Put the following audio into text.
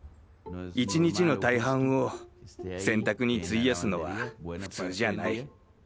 １日の大半を洗濯に費やすのは普通じゃない。